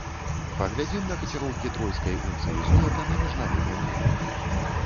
Паглядзім на каціроўкі тройскай унцыі золата на міжнародным рынку.